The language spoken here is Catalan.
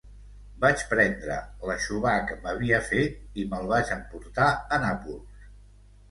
Vaig prendre l'aixovar que m'havia fet i me'l vaig emportar a Nàpols.